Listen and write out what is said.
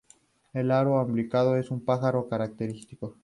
El arao aliblanco es un pájaro característico.